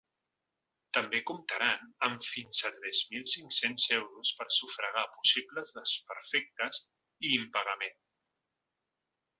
També comptaran amb fins a tres mil cinc-cents euros per a sufragar possibles desperfectes i impagament.